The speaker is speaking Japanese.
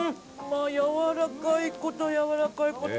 やわらかいことやわらかいこと！